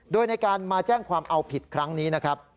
โดยในการมาแจ้งความเอาผิดครั้งนี้นะครับ